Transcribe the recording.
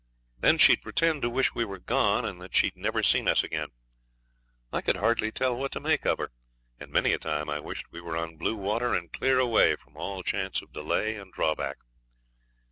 Then she'd pretend to wish we were gone, and that she'd never seen us again. I could hardly tell what to make of her, and many a time I wished we were on blue water and clear away from all chance of delay and drawback.